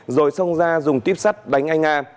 rồi xông ra dùng tiếp sắt đánh anh a